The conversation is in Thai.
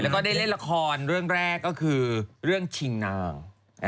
แล้วก็ได้เล่นละครเรื่องแรกก็คือเรื่องชิงนาง